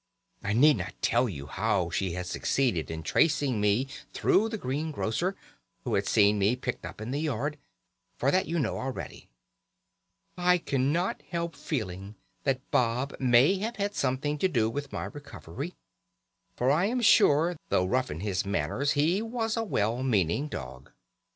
I need not tell you how she had succeeded in tracing me through the green grocer, who had seen me picked up in the yard, for that you know already. I cannot help feeling that Bob may have had something to do with my recovery, for I am sure though rough in his manners he was a well meaning dog.